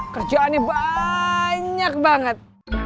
kerjaannya banyak banget